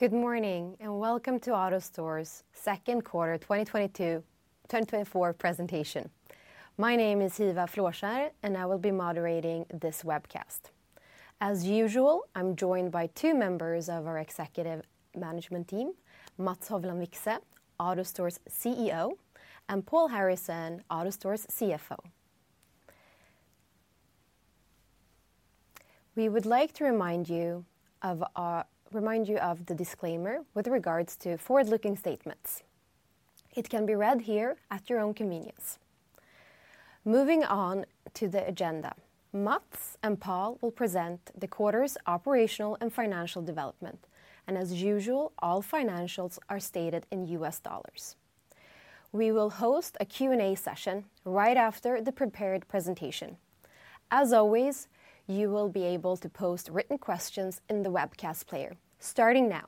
Good morning, and welcome to AutoStore's second quarter 2024 presentation. My name is Hiva Flåskjer, and I will be moderating this webcast. As usual, I'm joined by two members of our executive management team, Mats Hovland Vikse, AutoStore's CEO, and Paul Harrison, AutoStore's CFO. We would like to remind you of the disclaimer with regards to forward-looking statements. It can be read here at your own convenience. Moving on to the agenda, Mats and Paul will present the quarter's operational and financial development, and as usual, all financials are stated in U.S. dollars. We will host a Q&A session right after the prepared presentation. As always, you will be able to post written questions in the webcast player, starting now.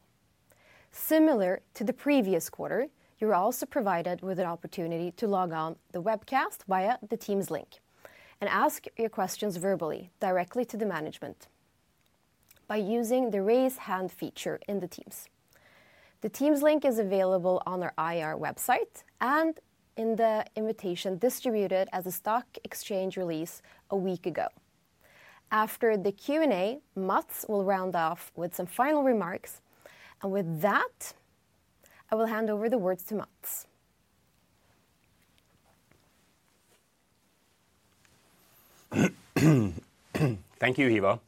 Similar to the previous quarter, you're also provided with an opportunity to log on the webcast via the Teams link and ask your questions verbally, directly to the management by using the Raise Hand feature in the Teams. The Teams link is available on our IR website and in the invitation distributed as a stock exchange release a week ago. After the Q&A, Mats will round off with some final remarks, and with that, I will hand over the words to Mats. Thank you, Hiva.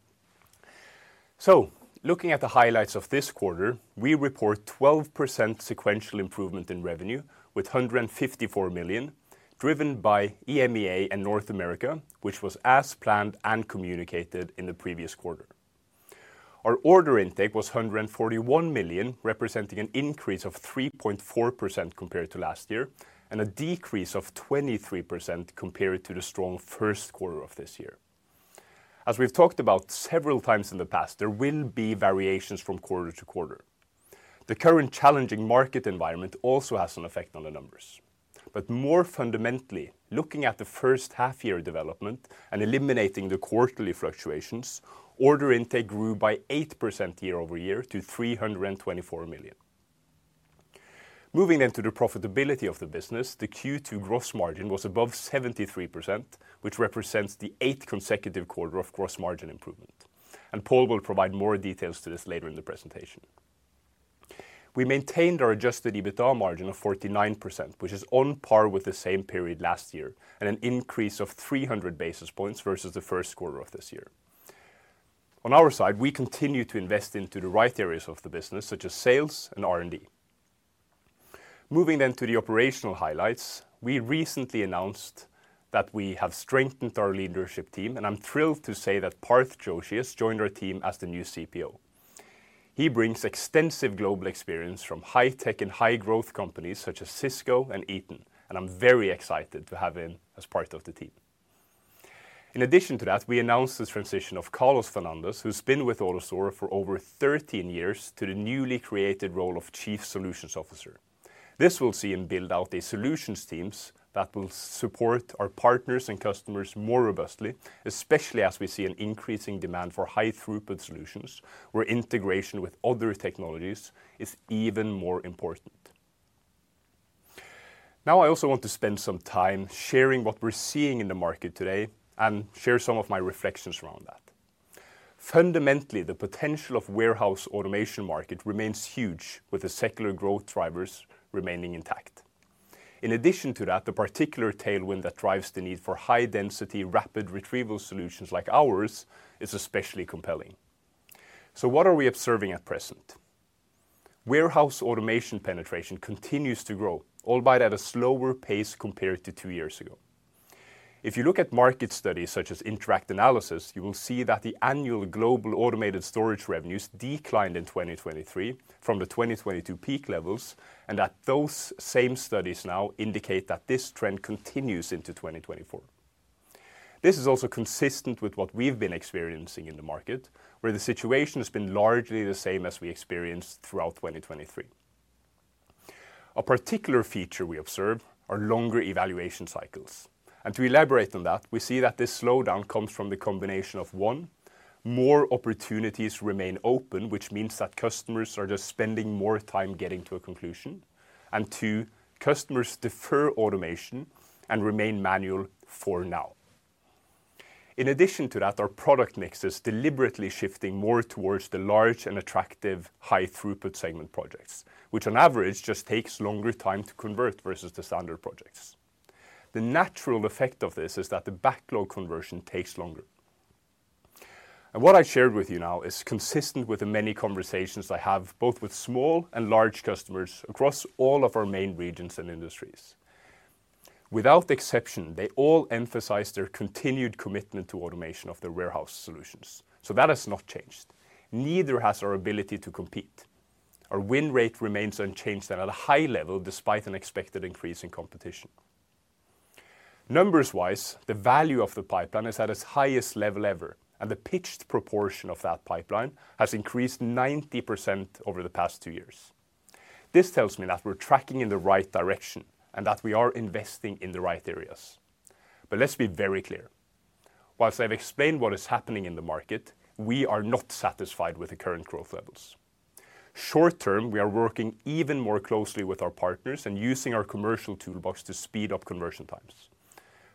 So looking at the highlights of this quarter, we report 12% sequential improvement in revenue with $154 million, driven by EMEA and North America, which was as planned and communicated in the previous quarter. Our order intake was $141 million, representing an increase of 3.4% compared to last year and a decrease of 23% compared to the strong first quarter of this year. As we've talked about several times in the past, there will be variations from quarter to quarter. The current challenging market environment also has an effect on the numbers, but more fundamentally, looking at the first half year development and eliminating the quarterly fluctuations, order intake grew by 8% year-over-year to $324 million. Moving into the profitability of the business, the Q2 gross margin was above 73%, which represents the 8th consecutive quarter of gross margin improvement, and Paul will provide more details to this later in the presentation. We maintained our adjusted EBITDA margin of 49%, which is on par with the same period last year and an increase of 300 basis points versus the first quarter of this year. On our side, we continue to invest into the right areas of the business, such as sales and R&D. Moving then to the operational highlights, we recently announced that we have strengthened our leadership team, and I'm thrilled to say that Parth Joshi has joined our team as the new CPO. He brings extensive global experience from high tech and high growth companies such as Cisco and Eaton, and I'm very excited to have him as part of the team. In addition to that, we announced the transition of Carlos Fernandez, who's been with AutoStore for over 13 years, to the newly created role of Chief Solutions Officer. This will see him build out the solutions teams that will support our partners and customers more robustly, especially as we see an increasing demand for high throughput solutions, where integration with other technologies is even more important. Now, I also want to spend some time sharing what we're seeing in the market today and share some of my reflections around that. Fundamentally, the potential of warehouse automation market remains huge, with the secular growth drivers remaining intact. In addition to that, the particular tailwind that drives the need for high-density, rapid retrieval solutions like ours is especially compelling. So what are we observing at present? Warehouse automation penetration continues to grow, albeit at a slower pace compared to two years ago. If you look at market studies such as Interact Analysis, you will see that the annual global automated storage revenues declined in 2023 from the 2022 peak levels, and that those same studies now indicate that this trend continues into 2024. This is also consistent with what we've been experiencing in the market, where the situation has been largely the same as we experienced throughout 2023. A particular feature we observe are longer evaluation cycles, and to elaborate on that, we see that this slowdown comes from the combination of, one, more opportunities remain open, which means that customers are just spending more time getting to a conclusion, and two, customers defer automation and remain manual for now. In addition to that, our product mix is deliberately shifting more towards the large and attractive high-throughput segment projects, which on average just takes longer time to convert versus the standard projects. The natural effect of this is that the backlog conversion takes longer. What I shared with you now is consistent with the many conversations I have, both with small and large customers across all of our main regions and industries. Without exception, they all emphasize their continued commitment to automation of their warehouse solutions, so that has not changed. Neither has our ability to compete. Our win rate remains unchanged and at a high level, despite an expected increase in competition. Numbers-wise, the value of the pipeline is at its highest level ever, and the pitched proportion of that pipeline has increased 90% over the past two years. This tells me that we're tracking in the right direction and that we are investing in the right areas. But let's be very clear. While I've explained what is happening in the market, we are not satisfied with the current growth levels. Short term, we are working even more closely with our partners and using our commercial toolbox to speed up conversion times.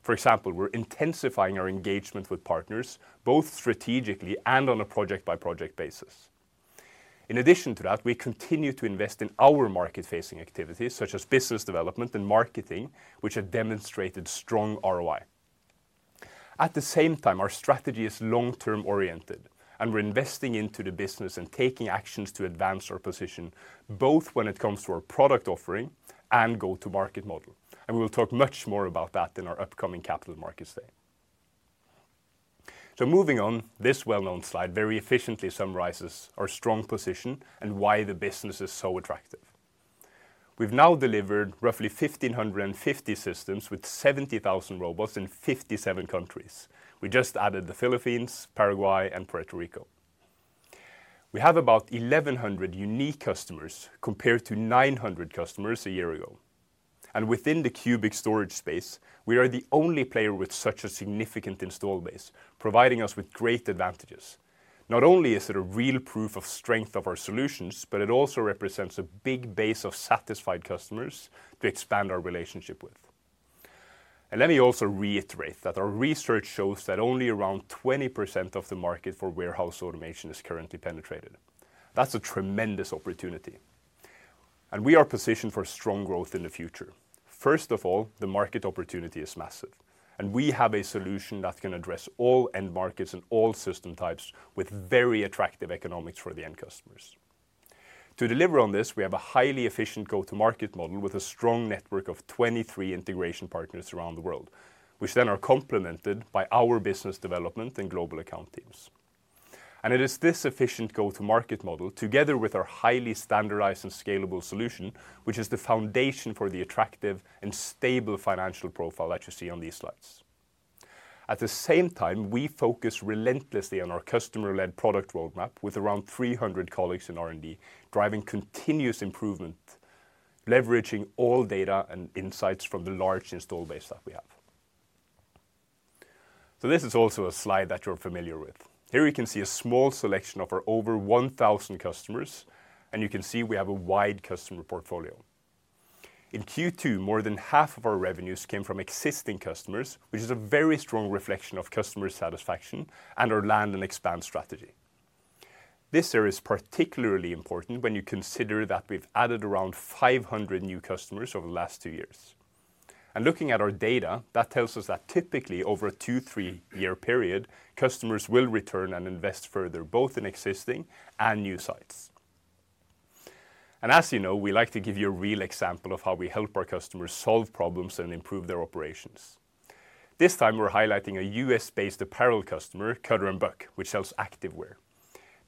For example, we're intensifying our engagement with partners, both strategically and on a project-by-project basis. In addition to that, we continue to invest in our market-facing activities, such as business development and marketing, which have demonstrated strong ROI. At the same time, our strategy is long-term oriented, and we're investing into the business and taking actions to advance our position, both when it comes to our product offering and go-to-market model, and we'll talk much more about that in our upcoming Capital Markets Day. Moving on, this well-known slide very efficiently summarizes our strong position and why the business is so attractive. We've now delivered roughly 1,550 systems with 70,000 robots in 57 countries. We just added the Philippines, Paraguay, and Puerto Rico. We have about 1,100 unique customers, compared to 900 customers a year ago, and within the Cubic storage space, we are the only player with such a significant installed base, providing us with great advantages. Not only is it a real proof of strength of our solutions, but it also represents a big base of satisfied customers to expand our relationship with. Let me also reiterate that our research shows that only around 20% of the market for warehouse automation is currently penetrated. That's a tremendous opportunity, and we are positioned for strong growth in the future. First of all, the market opportunity is massive, and we have a solution that can address all end markets and all system types with very attractive economics for the end customers. To deliver on this, we have a highly efficient go-to-market model with a strong network of 23 integration partners around the world, which then are complemented by our business development and global account teams. It is this efficient go-to-market model, together with our highly standardized and scalable solution, which is the foundation for the attractive and stable financial profile that you see on these slides. At the same time, we focus relentlessly on our customer-led product roadmap with around 300 colleagues in R&D, driving continuous improvement, leveraging all data and insights from the large install base that we have. So this is also a slide that you're familiar with. Here you can see a small selection of our over 1,000 customers, and you can see we have a wide customer portfolio. In Q2, more than half of our revenues came from existing customers, which is a very strong reflection of customer satisfaction and our land-and-expand strategy. This area is particularly important when you consider that we've added around 500 new customers over the last two years. Looking at our data, that tells us that typically over a two, three-year period, customers will return and invest further, both in existing and new sites. As you know, we like to give you a real example of how we help our customers solve problems and improve their operations. This time, we're highlighting a U.S.-based apparel customer, Cutter & Buck, which sells activewear.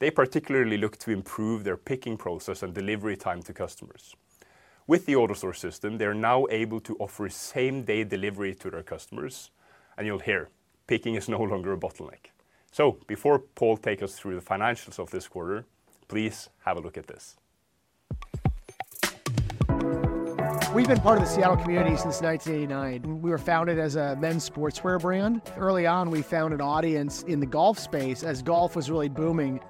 They particularly look to improve their picking process and delivery time to customers. With the AutoStore system, they're now able to offer same-day delivery to their customers, and you'll hear picking is no longer a bottleneck. So before Paul takes us through the financials of this quarter, please have a look at this. We've been part of the Seattle community since 1989. We were founded as a men's sportswear brand. Early on, we found an audience in the golf space, as golf was really booming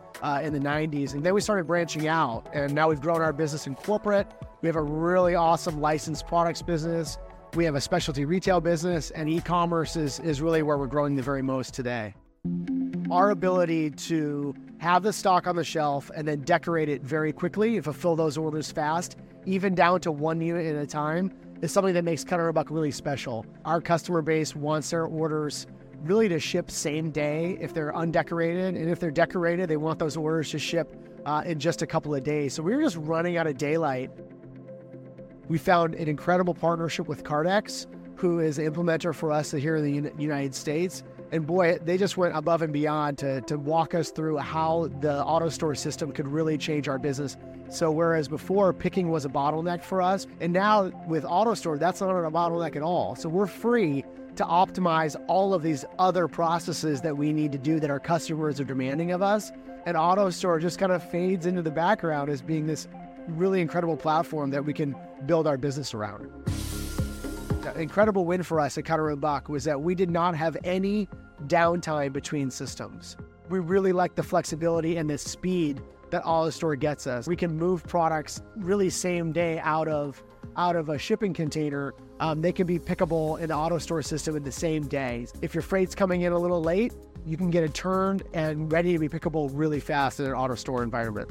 in the '90s, and then we started branching out, and now we've grown our business in corporate. We have a really awesome licensed products business. We have a specialty retail business, and e-commerce is, is really where we're growing the very most today. Our ability to have the stock on the shelf and then decorate it very quickly and fulfill those orders fast, even down to one unit at a time, is something that makes Cutter & Buck really special. Our customer base wants their orders really to ship same day if they're undecorated, and if they're decorated, they want those orders to ship in just a couple of days. So we were just running out of daylight. We found an incredible partnership with Kardex, who is the implementer for us here in the United States, and boy, they just went above and beyond to walk us through how the AutoStore system could really change our business. So whereas before picking was a bottleneck for us, and now with AutoStore, that's not a bottleneck at all. So we're free to optimize all of these other processes that we need to do that our customers are demanding of us, and AutoStore just kind of fades into the background as being this really incredible platform that we can build our business around. The incredible win for us at Cutter & Buck was that we did not have any downtime between systems. We really like the flexibility and the speed that AutoStore gets us. We can move products really same day out of a shipping container. They can be pickable in the AutoStore system in the same day. If your freight's coming in a little late, you can get it turned and ready to be pickable really fast in an AutoStore environment.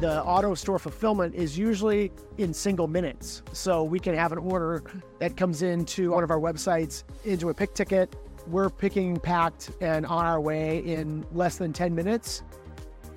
The AutoStore fulfillment is usually in single minutes, so we can have an order that comes in to one of our websites into a pick ticket. We're picking, packed, and on our way in less than 10 minutes.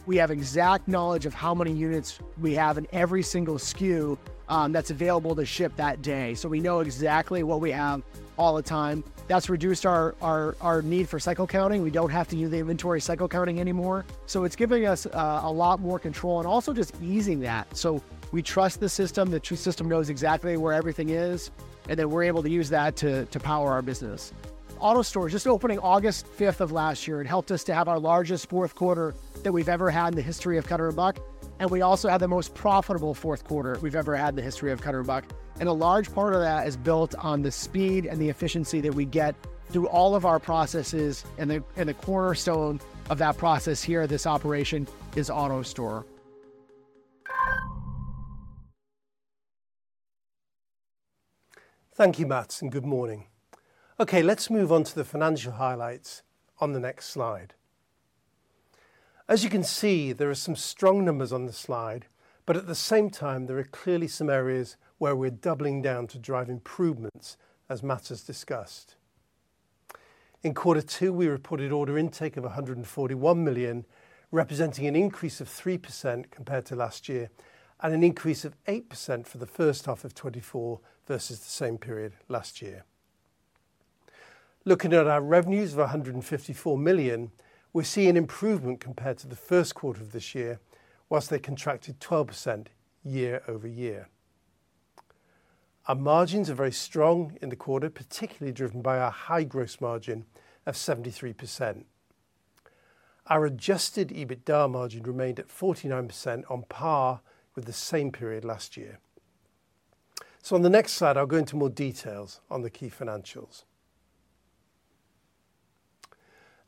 We have exact knowledge of how many units we have in every single SKU, that's available to ship that day, so we know exactly what we have all the time. That's reduced our need for cycle counting. We don't have to do the inventory cycle counting anymore. So it's giving us a lot more control and also just easing that, so we trust the system, the system knows exactly where everything is, and then we're able to use that to power our business. AutoStore, just opening August 5th of last year, it helped us to have our largest fourth quarter that we've ever had in the history of Cutter & Buck. And we also had the most profitable fourth quarter we've ever had in the history of Cutter & Buck, and a large part of that is built on the speed and the efficiency that we get through all of our processes, and the cornerstone of that process here at this operation is AutoStore. Thank you, Mats, and good morning. Okay, let's move on to the financial highlights on the next slide. As you can see, there are some strong numbers on the slide, but at the same time, there are clearly some areas where we're doubling down to drive improvements, as Mats has discussed. In quarter two, we reported order intake of $141 million, representing an increase of 3% compared to last year, and an increase of 8% for the first half of 2024 versus the same period last year. Looking at our revenues of $154 million, we see an improvement compared to the first quarter of this year, while they contracted 12% year-over-year. Our margins are very strong in the quarter, particularly driven by our high gross margin of 73%. Our adjusted EBITDA margin remained at 49%, on par with the same period last year. So on the next slide, I'll go into more details on the key financials.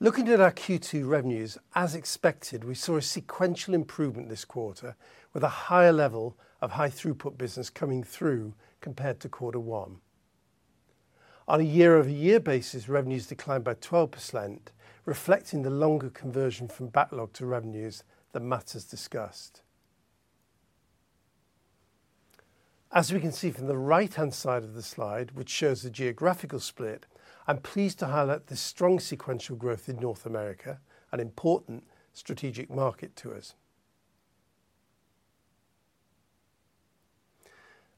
Looking at our Q2 revenues, as expected, we saw a sequential improvement this quarter, with a higher level of high-throughput business coming through compared to quarter one. On a year-over-year basis, revenues declined by 12%, reflecting the longer conversion from backlog to revenues that Mats has discussed. As we can see from the right-hand side of the slide, which shows the geographical split, I'm pleased to highlight the strong sequential growth in North America, an important strategic market to us.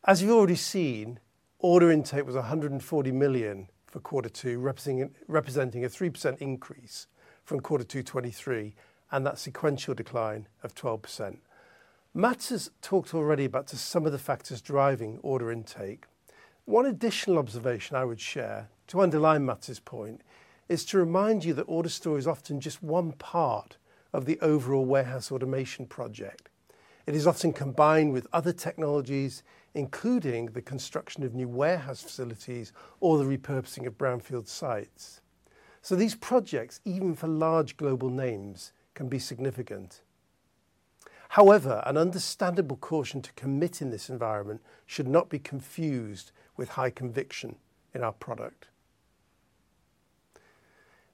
As you've already seen, order intake was $140 million for quarter two, representing, representing a 3% increase from quarter two 2023, and that sequential decline of 12%. Mats has talked already about some of the factors driving order intake. One additional observation I would share, to underline Mats' point, is to remind you that AutoStore is often just one part of the overall warehouse automation project. It is often combined with other technologies, including the construction of new warehouse facilities or the repurposing of brownfield sites. So these projects, even for large global names, can be significant. However, an understandable caution to commit in this environment should not be confused with high conviction in our product.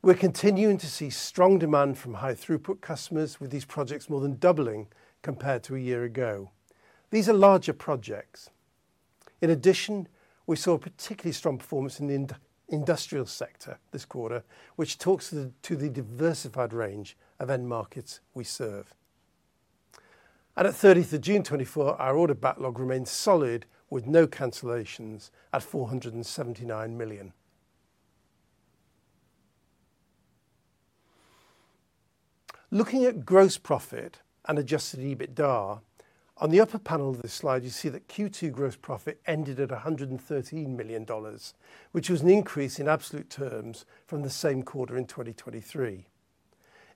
We're continuing to see strong demand from high-throughput customers, with these projects more than doubling compared to a year ago. These are larger projects. In addition, we saw a particularly strong performance in the industrial sector this quarter, which talks to the diversified range of end markets we serve. At 30th of June 2024, our order backlog remains solid, with no cancellations, at $479 million. Looking at gross profit and adjusted EBITDA, on the upper panel of this slide, you see that Q2 gross profit ended at $113 million, which was an increase in absolute terms from the same quarter in 2023.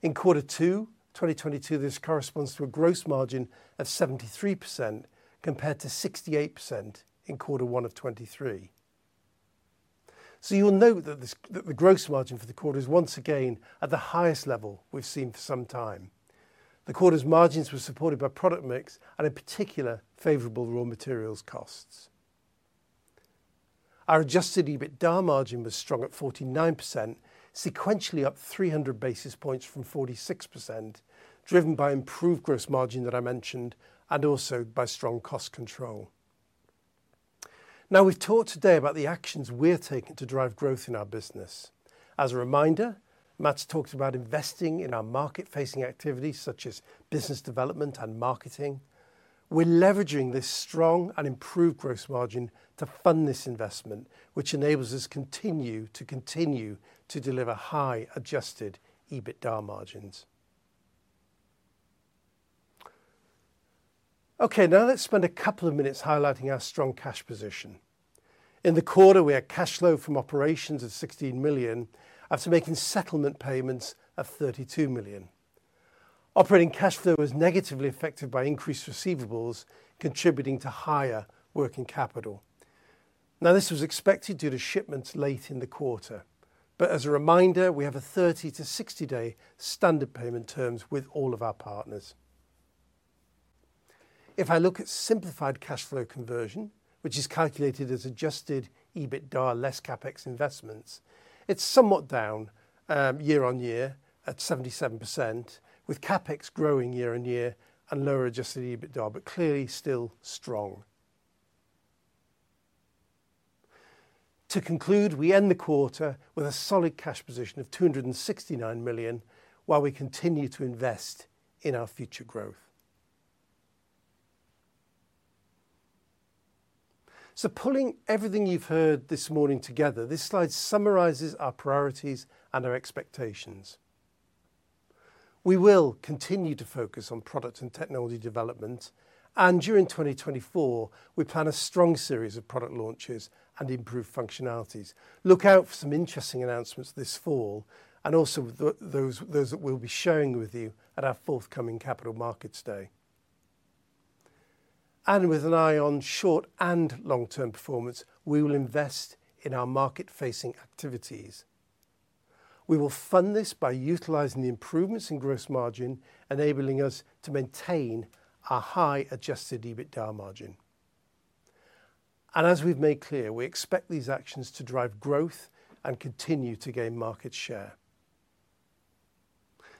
In quarter two 2022, this corresponds to a gross margin of 73%, compared to 68% in quarter one of 2023. So you will note that the gross margin for the quarter is once again at the highest level we've seen for some time. The quarter's margins were supported by product mix and, in particular, favorable raw materials costs. Our adjusted EBITDA margin was strong at 49%, sequentially up 300 basis points from 46%, driven by improved gross margin that I mentioned and also by strong cost control. Now, we've talked today about the actions we're taking to drive growth in our business. As a reminder, Mats talked about investing in our market-facing activities, such as business development and marketing. We're leveraging this strong and improved gross margin to fund this investment, which enables us to continue to deliver high adjusted EBITDA margins. Okay, now let's spend a couple of minutes highlighting our strong cash position. In the quarter, we had cash flow from operations of $16 million after making settlement payments of $32 million. Operating cash flow was negatively affected by increased receivables, contributing to higher working capital. Now, this was expected due to shipments late in the quarter, but as a reminder, we have a 30- to 60-day standard payment terms with all of our partners. If I look at simplified cash flow conversion, which is calculated as adjusted EBITDA less CapEx investments, it's somewhat down year-on-year at 77%, with CapEx growing year-on-year and lower adjusted EBITDA, but clearly still strong. To conclude, we end the quarter with a solid cash position of $269 million, while we continue to invest in our future growth. So pulling everything you've heard this morning together, this slide summarizes our priorities and our expectations. We will continue to focus on product and technology development, and during 2024, we plan a strong series of product launches and improved functionalities. Look out for some interesting announcements this fall, and also those that we'll be sharing with you at our forthcoming Capital Markets Day. And with an eye on short and long-term performance, we will invest in our market-facing activities. We will fund this by utilizing the improvements in gross margin, enabling us to maintain our high Adjusted EBITDA margin. And as we've made clear, we expect these actions to drive growth and continue to gain market share.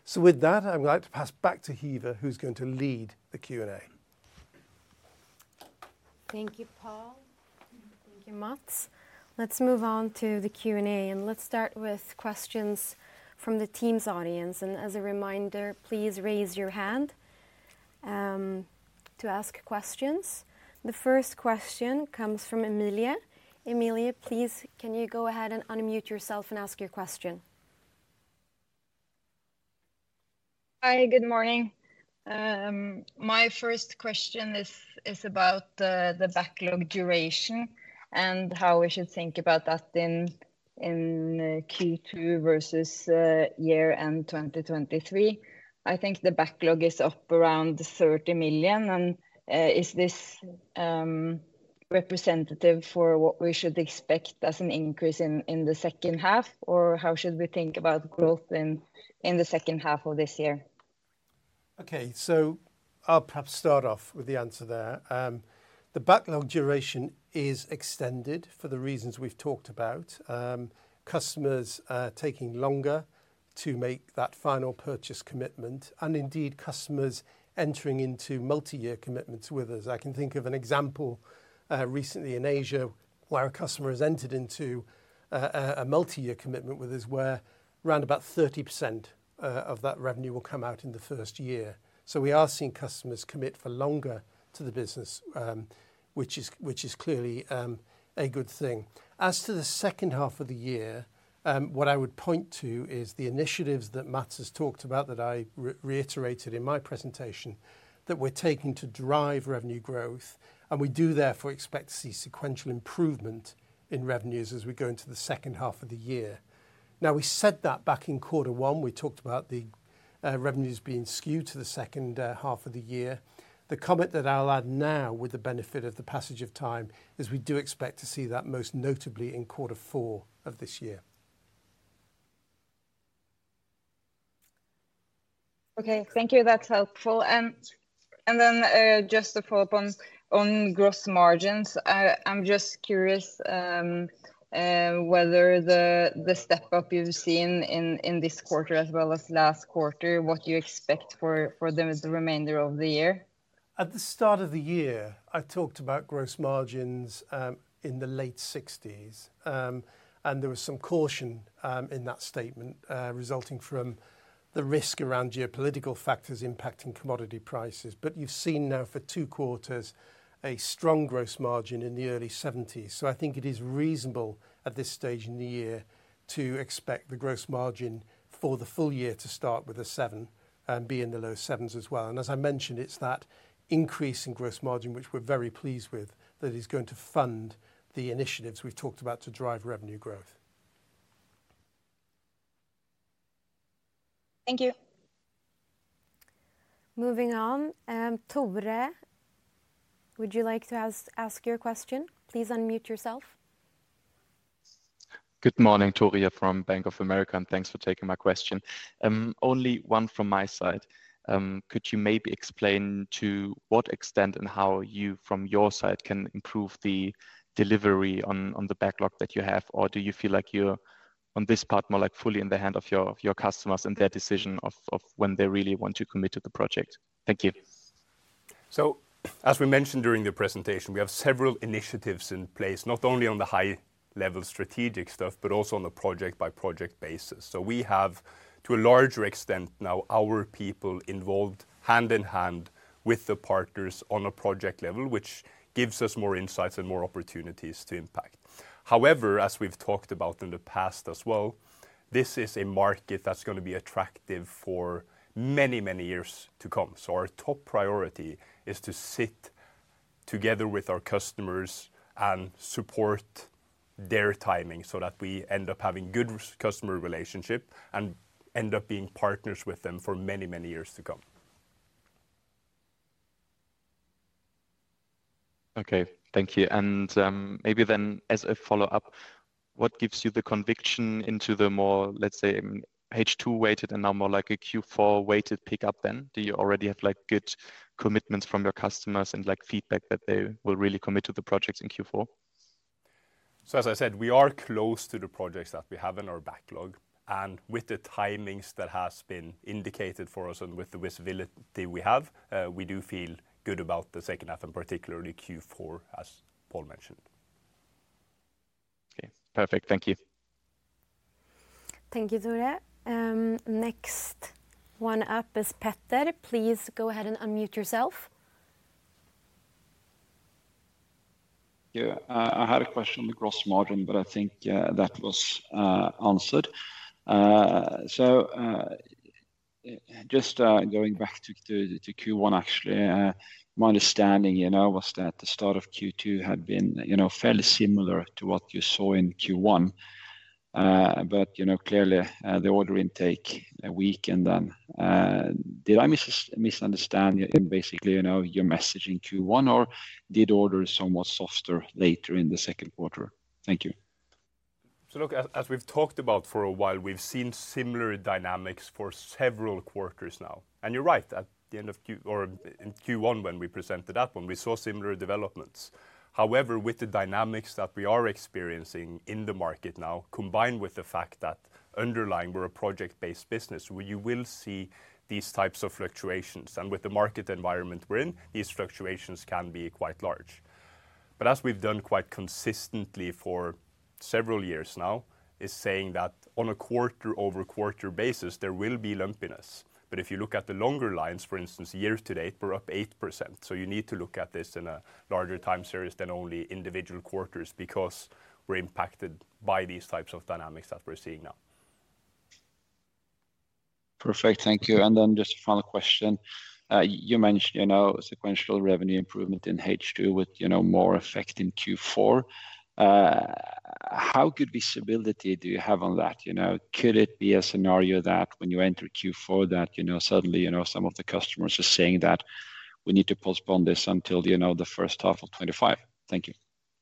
So with that, I'd like to pass back to Hiva, who's going to lead the Q&A. Thank you, Paul. Thank you, Mats. Let's move on to the Q&A, and let's start with questions from the Teams audience. As a reminder, please raise your hand to ask questions. The first question comes from Emilie. Emilie, please, can you go ahead and unmute yourself and ask your question? Hi, good morning. My first question is about the backlog duration and how we should think about that in Q2 versus year-end 2023. I think the backlog is up around $30 million, and is this representative for what we should expect as an increase in the second half? Or how should we think about growth in the second half of this year? Okay. So I'll perhaps start off with the answer there. The backlog duration is extended for the reasons we've talked about. Customers are taking longer to make that final purchase commitment, and indeed, customers entering into multi-year commitments with us. I can think of an example, recently in Asia, where a customer has entered into a multi-year commitment with us, where around about 30% of that revenue will come out in the first year. So we are seeing customers commit for longer to the business, which is, which is clearly, a good thing. As to the second half of the year, what I would point to is the initiatives that Mats has talked about, that I reiterated in my presentation, that we're taking to drive revenue growth, and we do therefore expect to see sequential improvement in revenues as we go into the second half of the year. Now, we said that back in quarter one. We talked about the revenues being skewed to the second half of the year. The comment that I'll add now, with the benefit of the passage of time, is we do expect to see that most notably in quarter four of this year. Okay, thank you. That's helpful. And then, just to follow up on gross margins, I'm just curious whether the step-up you've seen in this quarter as well as last quarter, what you expect for them as the remainder of the year? At the start of the year, I talked about gross margins in the late 60s%. And there was some caution in that statement resulting from the risk around geopolitical factors impacting commodity prices. But you've seen now for two quarters, a strong gross margin in the early 70s%. So I think it is reasonable at this stage in the year to expect the gross margin for the full year to start with a 7, and be in the low 70s% as well. And as I mentioned, it's that increase in gross margin, which we're very pleased with, that is going to fund the initiatives we've talked about to drive revenue growth. Thank you. Moving on, Tore, would you like to ask your question? Please unmute yourself. Good morning, Tore here from Bank of America, and thanks for taking my question. Only one from my side. Could you maybe explain to what extent and how you, from your side, can improve the delivery on, on the backlog that you have? Or do you feel like you're, on this part, more like fully in the hand of your, of your customers and their decision of, of when they really want to commit to the project? Thank you. So as we mentioned during the presentation, we have several initiatives in place, not only on the high-level strategic stuff, but also on a project-by-project basis. So we have, to a larger extent now, our people involved hand in hand with the partners on a project level, which gives us more insights and more opportunities to impact. However, as we've talked about in the past as well, this is a market that's gonna be attractive for many, many years to come. So our top priority is to sit together with our customers and support their timing, so that we end up having good customer relationship and end up being partners with them for many, many years to come. Okay, thank you. And, maybe then as a follow-up, what gives you the conviction into the more, let's say, H2-weighted and now more like a Q4-weighted pick-up then? Do you already have, like, good commitments from your customers and, like, feedback that they will really commit to the projects in Q4? So as I said, we are close to the projects that we have in our backlog, and with the timings that has been indicated for us and with the visibility we have, we do feel good about the second half, and particularly Q4, as Paul mentioned. Okay, perfect. Thank you. Thank you, Tore. Next one up is Petter. Please go ahead and unmute yourself. Yeah. I had a question on the gross margin, but I think that was answered. So, just going back to Q1, actually, my understanding, you know, was that the start of Q2 had been, you know, fairly similar to what you saw in Q1... but, you know, clearly, the order intake weakened then. Did I misunderstand you in basically, you know, your message in Q1, or did orders somewhat softer later in the second quarter? Thank you. So look, as, as we've talked about for a while, we've seen similar dynamics for several quarters now. And you're right, at the end of Q- or in Q1, when we presented that one, we saw similar developments. However, with the dynamics that we are experiencing in the market now, combined with the fact that underlying, we're a project-based business, where you will see these types of fluctuations. And with the market environment we're in, these fluctuations can be quite large. But as we've done quite consistently for several years now, is saying that on a quarter-over-quarter basis, there will be lumpiness. But if you look at the longer lines, for instance, year to date, we're up 8%. So you need to look at this in a larger time series than only individual quarters, because we're impacted by these types of dynamics that we're seeing now. Perfect. Thank you. And then just a final question. You mentioned, you know, sequential revenue improvement in H2 with, you know, more effect in Q4. How good visibility do you have on that? You know, could it be a scenario that when you enter Q4, that, you know, suddenly, you know, some of the customers are saying that we need to postpone this until, you know, the first half of 2025? Thank you.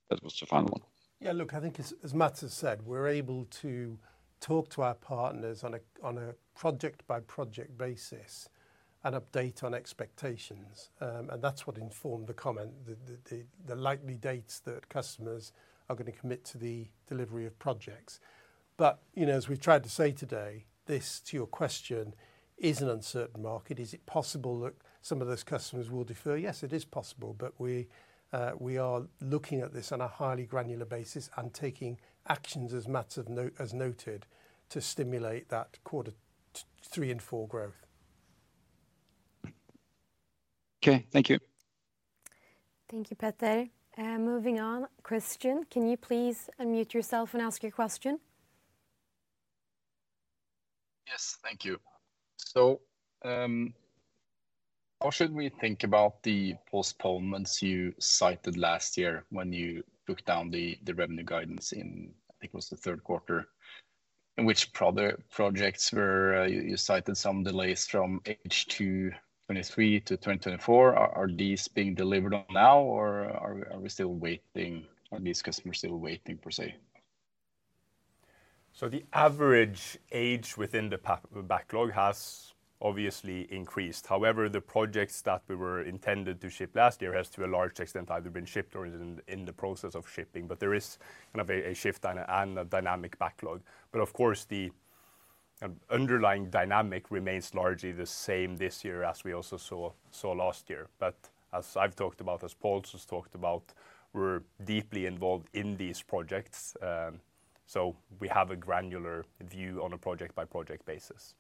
That was the final one. Yeah, look, I think as Mats has said, we're able to talk to our partners on a project-by-project basis and update on expectations. And that's what informed the comment, the likely dates that customers are going to commit to the delivery of projects. But, you know, as we've tried to say today, this, to your question, is an uncertain market. Is it possible that some of those customers will defer? Yes, it is possible, but we are looking at this on a highly granular basis and taking actions, as Mats has noted, to stimulate that quarter three and four growth. Okay, thank you. Thank you, Petter. Moving on, Kristian, can you please unmute yourself and ask your question? Yes, thank you. So, how should we think about the postponements you cited last year when you took down the revenue guidance in, I think it was the third quarter? In which projects were you cited some delays from H2 2023 to 2024. Are these being delivered on now, or are we still waiting, are these customers still waiting, per se? So the average age within the backlog has obviously increased. However, the projects that we were intended to ship last year has, to a large extent, either been shipped or is in the process of shipping. But there is kind of a shift and a dynamic backlog. But of course, the underlying dynamic remains largely the same this year as we also saw last year. But as I've talked about, as Paul has talked about, we're deeply involved in these projects, so we have a granular view on a project-by-project basis.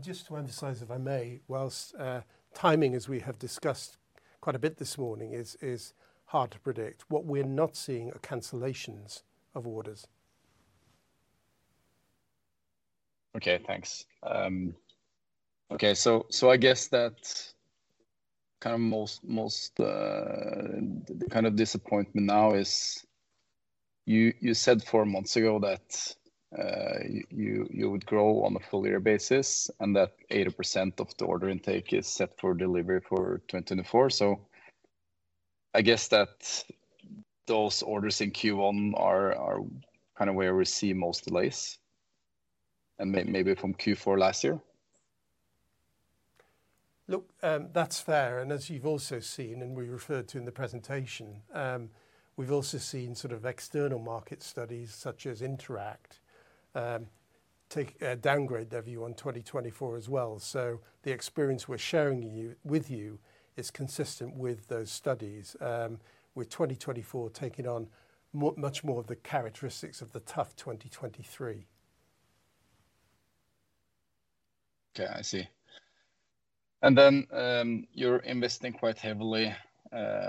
Just to emphasize, if I may, whilst timing, as we have discussed quite a bit this morning, is hard to predict, what we're not seeing are cancellations of orders. Okay, thanks. Okay, so I guess that kind of most disappointment now is you said four months ago that you would grow on a full year basis, and that 80% of the order intake is set for delivery for 2024. So I guess that those orders in Q1 are kind of where we see most delays, and maybe from Q4 last year? Look, that's fair, and as you've also seen, and we referred to in the presentation, we've also seen sort of external market studies, such as Interact, take downgrade their view on 2024 as well. So the experience we're sharing you, with you is consistent with those studies, with 2024 taking on much more of the characteristics of the tough 2023. Okay, I see. And then, you're investing quite heavily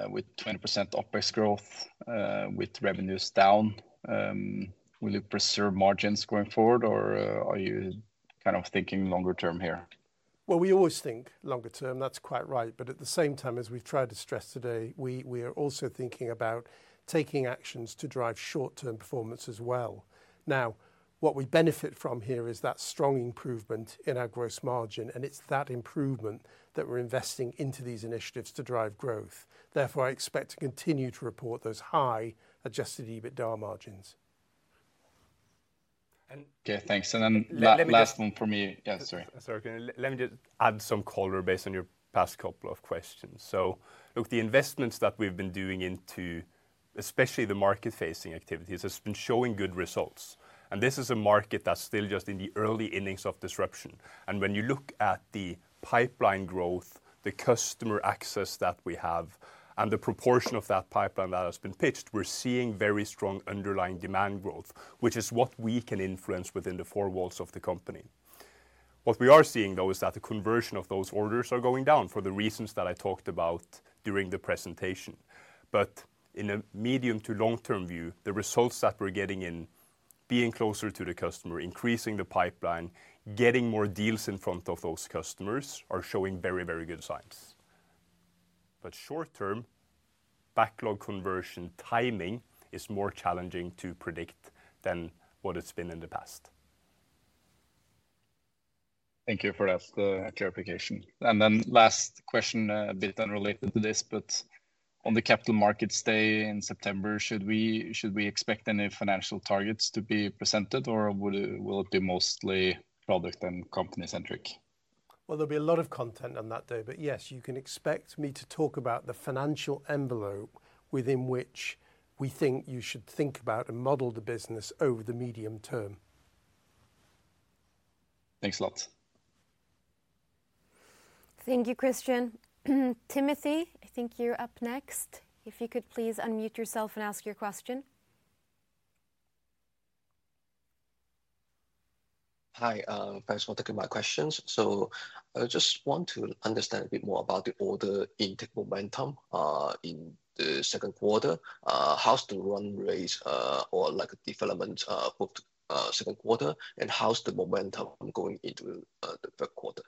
with 20% OpEx growth, with revenues down. Will you preserve margins going forward, or are you kind of thinking longer term here? Well, we always think longer term, that's quite right. But at the same time, as we've tried to stress today, we are also thinking about taking actions to drive short-term performance as well. Now, what we benefit from here is that strong improvement in our gross margin, and it's that improvement that we're investing into these initiatives to drive growth. Therefore, I expect to continue to report those high adjusted EBITDA margins. Okay, thanks. Let me- And then last one from me. Yeah, sorry. Sorry, let me just add some color based on your past couple of questions. So look, the investments that we've been doing into, especially the market-facing activities, has been showing good results. And this is a market that's still just in the early innings of disruption. And when you look at the pipeline growth, the customer access that we have, and the proportion of that pipeline that has been pitched, we're seeing very strong underlying demand growth, which is what we can influence within the four walls of the company. What we are seeing, though, is that the conversion of those orders are going down for the reasons that I talked about during the presentation. But in a medium to long-term view, the results that we're getting in being closer to the customer, increasing the pipeline, getting more deals in front of those customers, are showing very, very good signs. But short term, backlog conversion timing is more challenging to predict than what it's been in the past. Thank you for that, clarification. And then last question, a bit unrelated to this, but on the Capital Markets Day in September, should we, should we expect any financial targets to be presented, or would it, will it be mostly product and company centric? Well, there'll be a lot of content on that day, but yes, you can expect me to talk about the financial envelope within which we think you should think about and model the business over the medium term. Thanks a lot. Thank you, Kristian. Timothy, I think you're up next. If you could please unmute yourself and ask your question. Hi, thanks for taking my questions. So I just want to understand a bit more about the order intake momentum in the second quarter. How's the run rate, or like development, for second quarter, and how's the momentum going into the third quarter?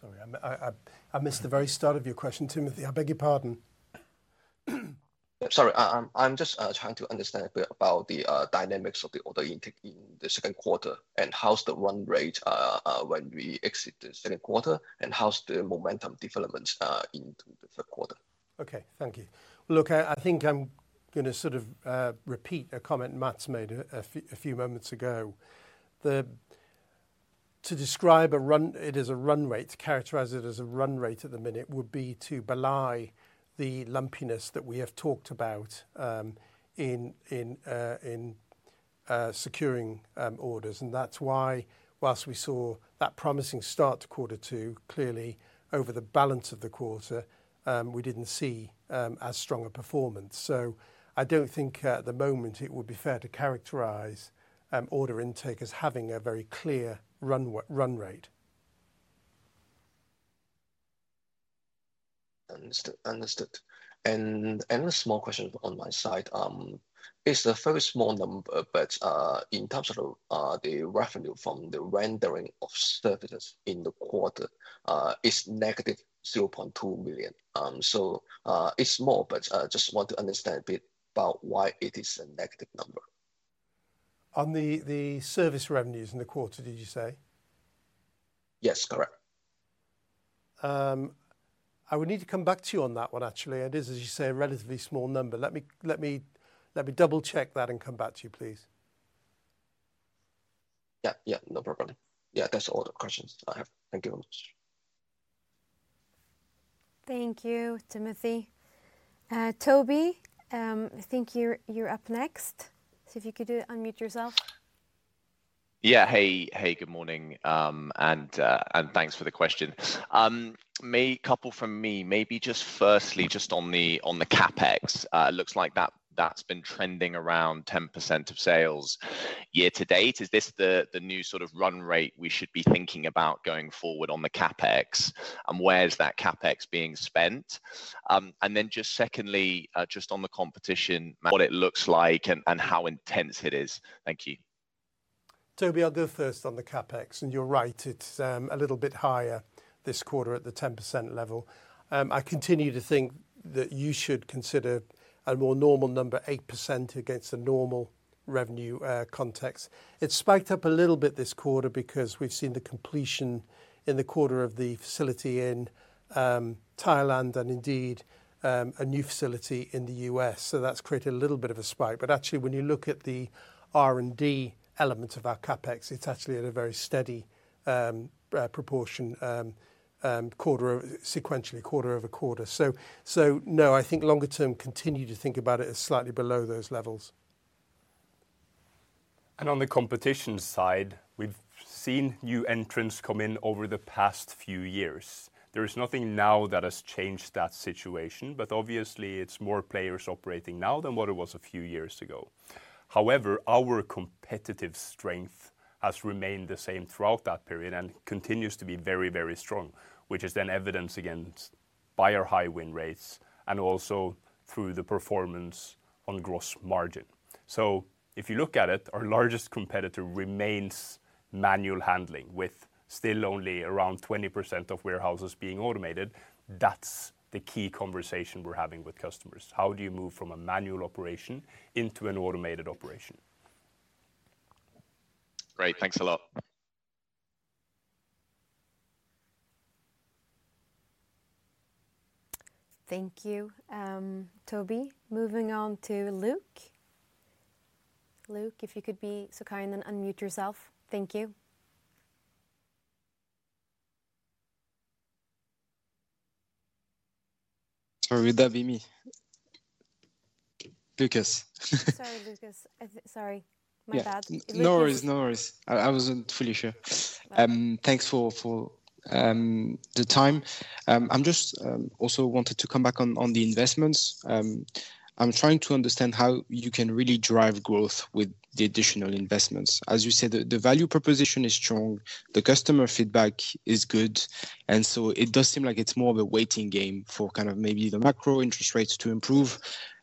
Sorry, I missed the very start of your question, Timothy. I beg your pardon. Sorry, I'm just trying to understand a bit about the dynamics of the order intake in the second quarter, and how's the run rate when we exit the second quarter, and how's the momentum developments into the third quarter? Okay, thank you. Look, I think I'm gonna sort of repeat a comment Mats made a few moments ago. To describe it as a run rate, to characterize it as a run rate at the minute, would be to belie the lumpiness that we have talked about in securing orders. And that's why, whilst we saw that promising start to quarter two, clearly over the balance of the quarter, we didn't see as strong a performance. So I don't think at the moment it would be fair to characterize order intake as having a very clear run rate. Understood. Understood. And a small question on my side, it's a very small number, but in terms of the revenue from the rendering of services in the quarter, it's -$0.2 million. So it's small, but just want to understand a bit about why it is a negative number. On the service revenues in the quarter, did you say? Yes, correct. I would need to come back to you on that one, actually. It is, as you say, a relatively small number. Let me double-check that and come back to you, please. Yeah, yeah, no problem. Yeah, that's all the questions I have. Thank you very much. Thank you, Timothy. Toby, I think you're up next. So if you could unmute yourself. Yeah. Hey, hey, good morning, and thanks for the question. I may have a couple from me, maybe just firstly, just on the CapEx. It looks like that's been trending around 10% of sales year to date. Is this the new sort of run rate we should be thinking about going forward on the CapEx? And where is that CapEx being spent? And then just secondly, just on the competition, what it looks like and how intense it is. Thank you. Toby, I'll go first on the CapEx. You're right, it's a little bit higher this quarter at the 10% level. I continue to think that you should consider a more normal number, 8%, against a normal revenue context. It spiked up a little bit this quarter because we've seen the completion in the quarter of the facility in Thailand and indeed a new facility in the U.S. So that's created a little bit of a spike. But actually, when you look at the R&D element of our CapEx, it's actually at a very steady proportion sequentially quarter-over-quarter. So no, I think longer term, continue to think about it as slightly below those levels. On the competition side, we've seen new entrants come in over the past few years. There is nothing now that has changed that situation, but obviously it's more players operating now than what it was a few years ago. However, our competitive strength has remained the same throughout that period and continues to be very, very strong, which is then evidenced again by our high win rates and also through the performance on gross margin. So if you look at it, our largest competitor remains manual handling, with still only around 20% of warehouses being automated. That's the key conversation we're having with customers: How do you move from a manual operation into an automated operation? Great, thanks a lot. Thank you, Toby. Moving on to Luke. Luke, if you could be so kind and unmute yourself. Thank you. Would that be me? Lucas. Sorry, Lucas. Sorry, my bad. No worries, no worries. I wasn't fully sure. Thanks for the time. I'm just also wanted to come back on the investments. I'm trying to understand how you can really drive growth with the additional investments. As you said, the value proposition is strong, the customer feedback is good, and so it does seem like it's more of a waiting game for kind of maybe the macro interest rates to improve.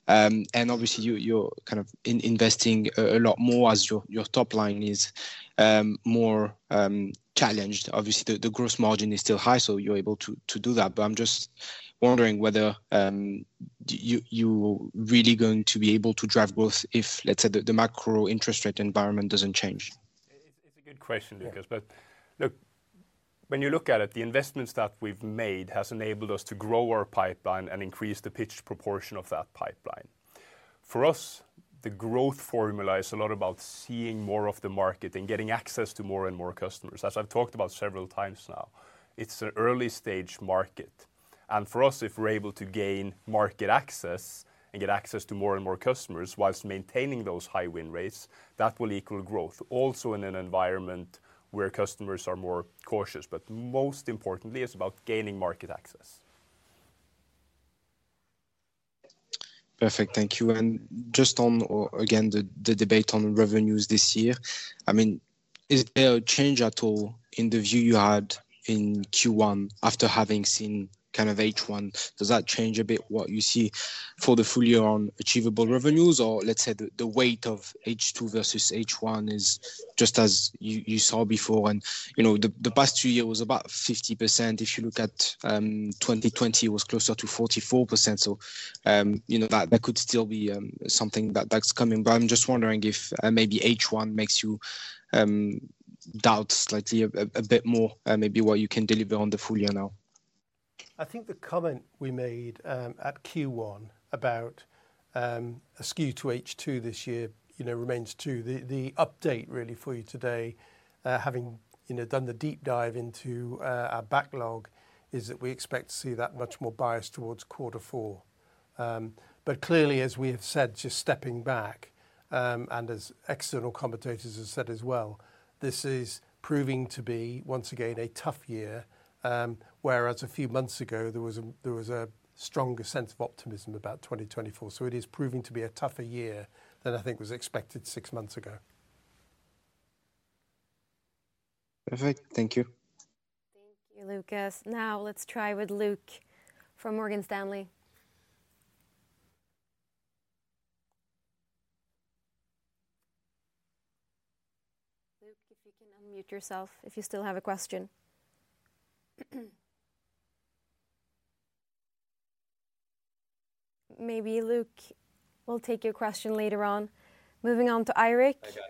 And obviously, you're kind of investing a lot more as your top line is more challenged. Obviously, the growth margin is still high, so you're able to do that. But I'm just wondering whether-... Do you really going to be able to drive growth if, let's say, the macro interest rate environment doesn't change? It's a good question, Lucas. Yeah. But, look, when you look at it, the investments that we've made has enabled us to grow our pipeline and increase the pitch proportion of that pipeline. For us, the growth formula is a lot about seeing more of the market and getting access to more and more customers. As I've talked about several times now, it's an early stage market, and for us, if we're able to gain market access and get access to more and more customers whilst maintaining those high win rates, that will equal growth. Also in an environment where customers are more cautious, but most importantly, it's about gaining market access. Perfect, thank you. And just on, again, the, the debate on revenues this year, I mean, is there a change at all in the view you had in Q1 after having seen kind of H1? Does that change a bit what you see for the full year on achievable revenues? Or let's say the, the weight of H2 versus H1 is just as you, you saw before, and, you know, the, the past two years was about 50%. If you look at, 2020, it was closer to 44%. So, you know, that, that could still be, something that, that's coming. But I'm just wondering if, maybe H1 makes you, doubt slightly a, a, a bit more, maybe what you can deliver on the full year now. I think the comment we made at Q1 about a skew to H2 this year, you know, remains true. The update really for you today, having, you know, done the deep dive into our backlog, is that we expect to see that much more biased towards quarter four. But clearly, as we have said, just stepping back, and as external commentators have said as well, this is proving to be, once again, a tough year. Whereas a few months ago there was a stronger sense of optimism about 2024. So it is proving to be a tougher year than I think was expected six months ago. Perfect. Thank you. Thank you, Lucas. Now let's try with Luke from Morgan Stanley. Luke, if you can unmute yourself, if you still have a question. Maybe Luke, we'll take your question later on. Moving on to Eirik. I got it.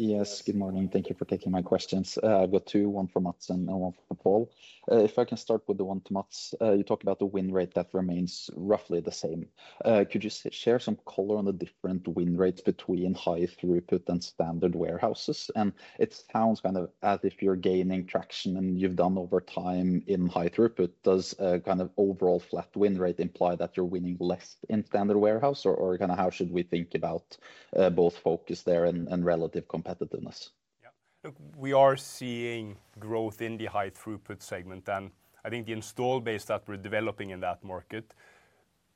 Yes, good morning. Thank you for taking my questions. I've got two, one for Mats and one for Paul. If I can start with the one to Mats. You talked about the win rate that remains roughly the same. Could you share some color on the different win rates between high-throughput and standard warehouses? And it sounds kind of as if you're gaining traction, and you've done over time in high-throughput. Does kind of overall flat win rate imply that you're winning less in standard warehouse, or kind of how should we think about both focus there and relative competitiveness? Yeah. Look, we are seeing growth in the high throughput segment, and I think the install base that we're developing in that market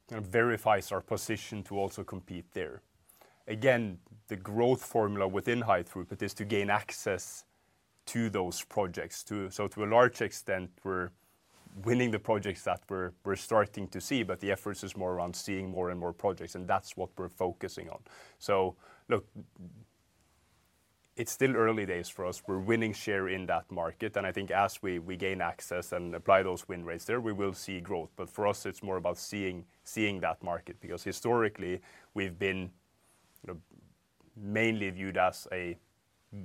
kind of verifies our position to also compete there. Again, the growth formula within high throughput is to gain access to those projects. So to a large extent, we're winning the projects that we're starting to see, but the efforts is more around seeing more and more projects, and that's what we're focusing on. So look, it's still early days for us. We're winning share in that market, and I think as we gain access and apply those win rates there, we will see growth. But for us, it's more about seeing that market, because historically, we've been, you know, mainly viewed as a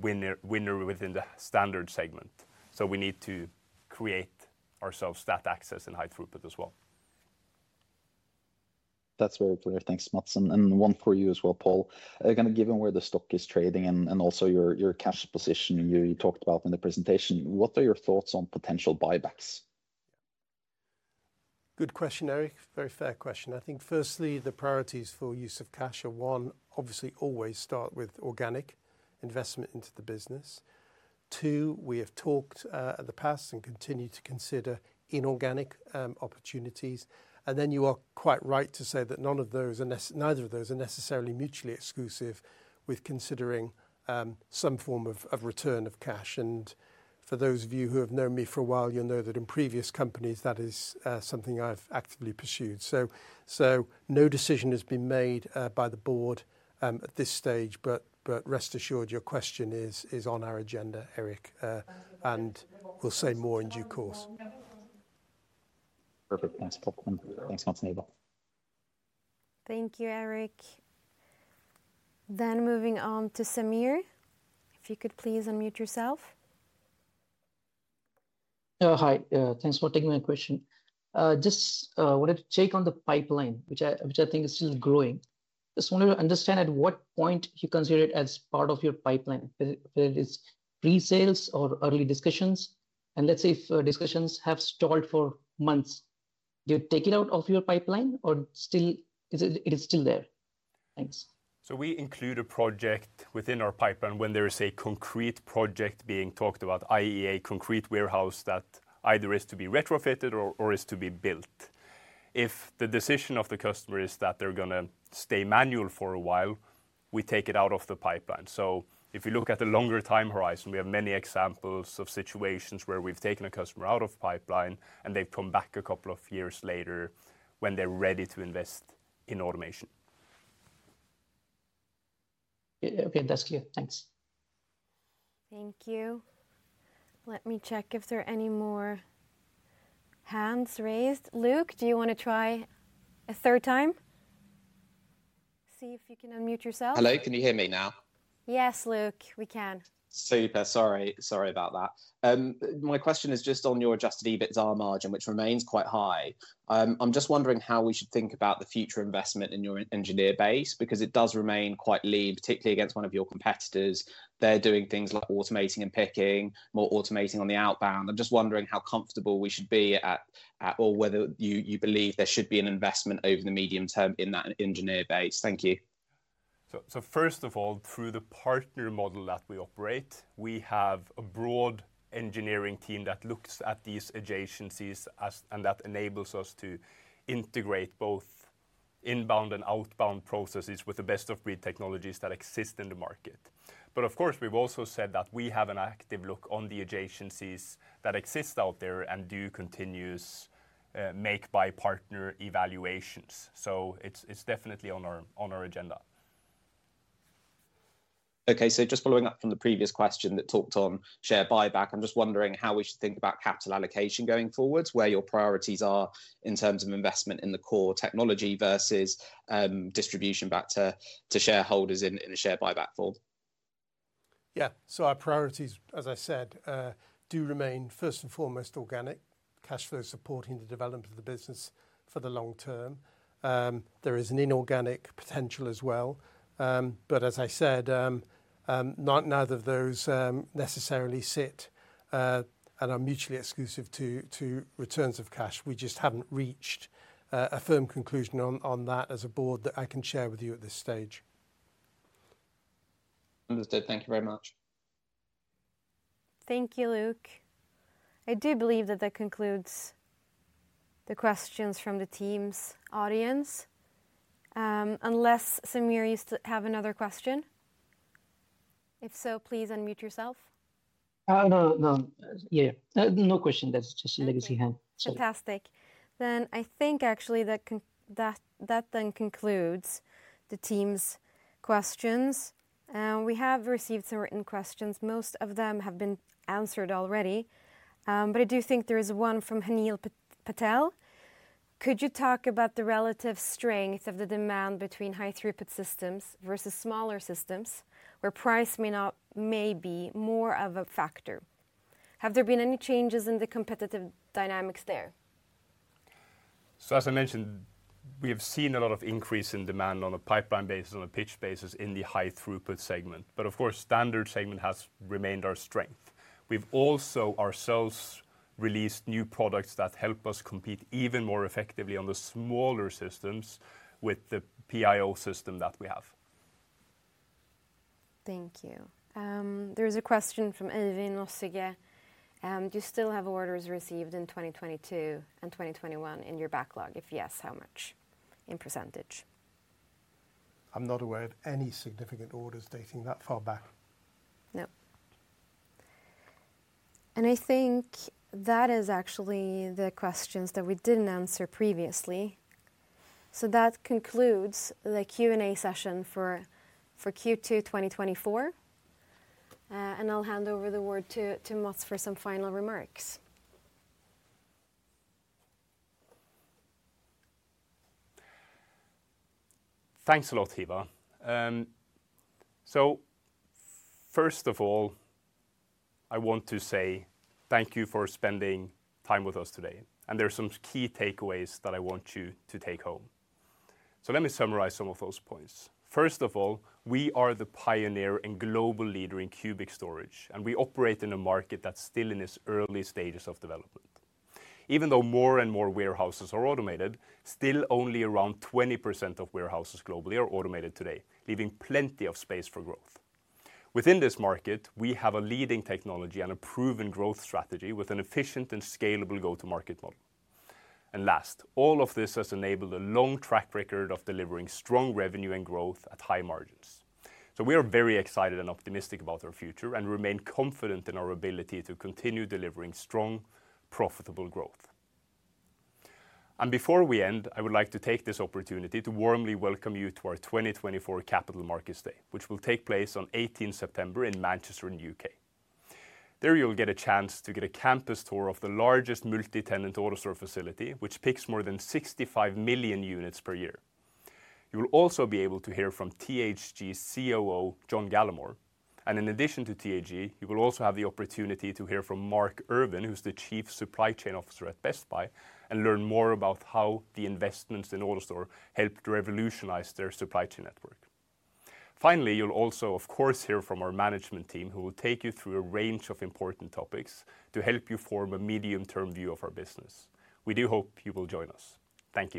winner within the standard segment. So we need to create ourselves that access in high throughput as well. That's very clear. Thanks, Mats. And one for you as well, Paul. Kind of given where the stock is trading and also your cash position you talked about in the presentation, what are your thoughts on potential buybacks? Good question, Eirik. Very fair question. I think firstly, the priorities for use of cash are, one, obviously always start with organic investment into the business. Two, we have talked in the past and continue to consider inorganic opportunities. And then you are quite right to say that none of those are neither of those are necessarily mutually exclusive with considering some form of return of cash. And for those of you who have known me for a while, you'll know that in previous companies, that is something I've actively pursued. So, so no decision has been made by the board at this stage, but, but rest assured, your question is on our agenda, Eirik, and we'll say more in due course. Perfect. Thanks, Paul, and thanks once again. Thank you, Eirik. Moving on to Samir, if you could please unmute yourself. Hi. Thanks for taking my question. Just wanted to check on the pipeline, which I think is still growing. Just wanted to understand, at what point you consider it as part of your pipeline, whether it is pre-sales or early discussions? And let's say if discussions have stalled for months, do you take it out of your pipeline or still, is it still there? Thanks. So we include a project within our pipeline when there is a concrete project being talked about, i.e., a concrete warehouse that either is to be retrofitted or is to be built. If the decision of the customer is that they're gonna stay manual for a while, we take it out of the pipeline. So if you look at the longer time horizon, we have many examples of situations where we've taken a customer out of pipeline, and they've come back a couple of years later when they're ready to invest in automation.... Yeah, okay, that's clear. Thanks. Thank you. Let me check if there are any more hands raised. Luke, do you wanna try a third time? See if you can unmute yourself? Hello, can you hear me now? Yes, Luke, we can. Super. Sorry, sorry about that. My question is just on your adjusted EBITDA margin, which remains quite high. I'm just wondering how we should think about the future investment in your engineer base, because it does remain quite lean, particularly against one of your competitors. They're doing things like automating and picking, more automating on the outbound. I'm just wondering how comfortable we should be at, or whether you believe there should be an investment over the medium term in that engineer base? Thank you. So, first of all, through the partner model that we operate, we have a broad engineering team that looks at these adjacencies as, and that enables us to integrate both inbound and outbound processes with the best-of-breed technologies that exist in the market. But of course, we've also said that we have an active look on the adjacencies that exist out there and do continuous make-by-partner evaluations, so it's definitely on our agenda. Okay. So just following up from the previous question that talked on share buyback, I'm just wondering how we should think about capital allocation going forwards, where your priorities are in terms of investment in the core technology versus distribution back to shareholders in a share buyback form? Yeah. So our priorities, as I said, do remain first and foremost organic, cash flow supporting the development of the business for the long term. There is an inorganic potential as well. But as I said, not neither of those necessarily sit, and are mutually exclusive to, to returns of cash. We just haven't reached a firm conclusion on, on that as a board that I can share with you at this stage. Understood. Thank you very much. Thank you, Luke. I do believe that that concludes the questions from the Teams audience. Unless Samir, you have another question? If so, please unmute yourself. No, no. Yeah, no question, that's just a legacy hand. Okay. Sorry. Fantastic. Then I think actually that then concludes the team's questions. We have received some written questions. Most of them have been answered already, but I do think there is one from Anil Patel: "Could you talk about the relative strength of the demand between high-throughput systems versus smaller systems, where price may be more of a factor? Have there been any changes in the competitive dynamics there? So, as I mentioned, we have seen a lot of increase in demand on a pipeline basis, on a pitch basis in the high-throughput segment, but of course, standard segment has remained our strength. We've also ourselves released new products that help us compete even more effectively on the smaller systems with the Pio system that we have. Thank you. There is a question from Elvir Osighe: "Do you still have orders received in 2022 and 2021 in your backlog? If yes, how much, in percentage? I'm not aware of any significant orders dating that far back. No. And I think that is actually the questions that we didn't answer previously. So that concludes the Q&A session for Q2 2024. And I'll hand over the word to Mats for some final remarks. Thanks a lot, Hiva. So first of all, I want to say thank you for spending time with us today, and there are some key takeaways that I want you to take home. So let me summarize some of those points. First of all, we are the pioneer and global leader in cubic storage, and we operate in a market that's still in its early stages of development. Even though more and more warehouses are automated, still only around 20% of warehouses globally are automated today, leaving plenty of space for growth. Within this market, we have a leading technology and a proven growth strategy with an efficient and scalable go-to-market model. And last, all of this has enabled a long track record of delivering strong revenue and growth at high margins. So we are very excited and optimistic about our future and remain confident in our ability to continue delivering strong, profitable growth. Before we end, I would like to take this opportunity to warmly welcome you to our 2024 Capital Markets Day, which will take place on 18th September in Manchester in U.K. There, you'll get a chance to get a campus tour of the largest multi-tenant AutoStore facility, which picks more than 65 million units per year. You will also be able to hear from THG's COO, John Gallemore, and in addition to THG, you will also have the opportunity to hear from Mark Irvin, who's the Chief Supply Chain Officer at Best Buy, and learn more about how the investments in AutoStore helped revolutionize their supply chain network. Finally, you'll also, of course, hear from our management team, who will take you through a range of important topics to help you form a medium-term view of our business. We do hope you will join us. Thank you.